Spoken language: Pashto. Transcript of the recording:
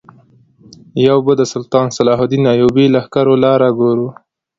یو به د سلطان صلاح الدین ایوبي لښکرو لاره ګورو.